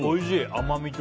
甘みと。